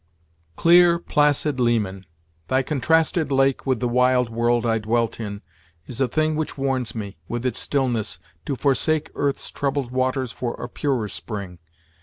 "Clear, placid Leman I Thy contrasted lake With the wild world I dwelt in, is a thing Which warns me, with its stillness, to forsake Earth's troubled waters for a purer spring.